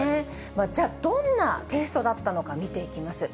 じゃあ、どんなテストだったのか、見ていきます。